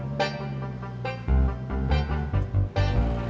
aku mau pergi